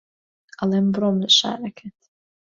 ئەڵێم بڕۆم لە شارەکەت